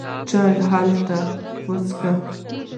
چای به هلته وڅېښو.